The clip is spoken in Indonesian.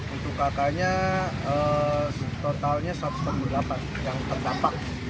untuk kk nya totalnya satu ratus delapan puluh delapan yang terdampak